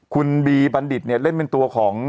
คุณบีบัณฑิตเนี่ยเล่นเป็นตัวของ